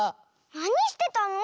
なにしてたの？